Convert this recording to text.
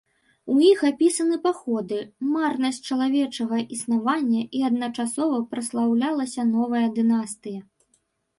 У іх апісаны паходы, марнасць чалавечага існавання і адначасова праслаўлялася новая дынастыя.